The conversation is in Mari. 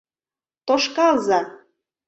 Тошкалза!»